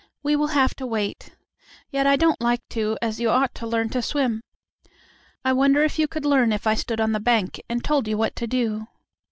We will have to wait. Yet I don't like to, as you ought to learn to swim. I wonder if you could learn if I stood on the bank and told you what to do?"